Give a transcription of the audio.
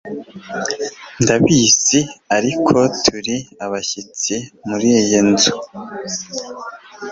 Ndabizi, ariko turi abashyitsi muriyi nzu,